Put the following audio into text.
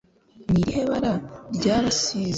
Ni irihe bara rya basize iyo nzu